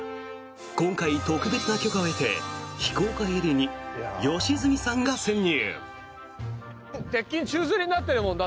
今回、特別な許可を得て非公開エリアに良純さんが潜入！